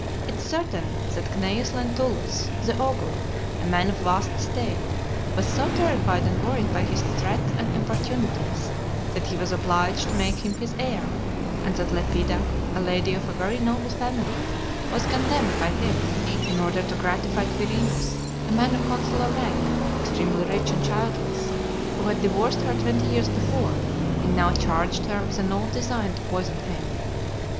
It is certain that Cneius Lentulus, the augur, a man of vast estate, was so terrified and worried by his threats and importunities, that he was obliged to make him his heir; and that Lepida, a lady of a very noble family, was condemned by him, in order to gratify Quirinus, a man of consular rank, extremely rich, and childless, who had divorced her twenty years before, and now charged her with an old design to poison him.